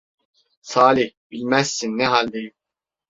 Salih, bilmezsin ne haldeyim…